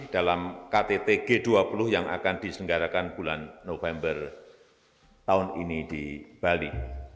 dalam ktt g dua puluh yang akan diselenggarakan bulan november tahun ini di bali